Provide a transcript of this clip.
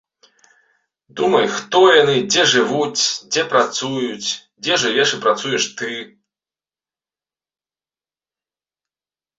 Думай, хто яны, дзе жывуць, дзе працуюць, дзе жывеш і працуеш ты.